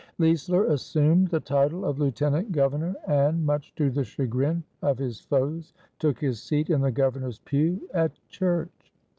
Leisler assumed the title of Lieutenant Governor and, much to the chagrin of his foes, took his seat in the Governor's pew at church.